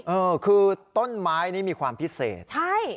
เออคือต้นไม้นี้มีความพิเศษใช่